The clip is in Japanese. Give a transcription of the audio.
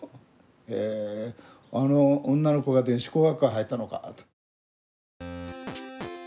へえあの女の子が電子工学科へ入ったのかと。